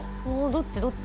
どっち？